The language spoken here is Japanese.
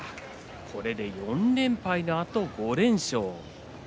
これで４連敗のあと５連勝。